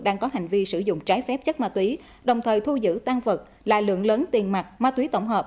đang có hành vi sử dụng trái phép chất ma túy đồng thời thu giữ tan vật là lượng lớn tiền mặt ma túy tổng hợp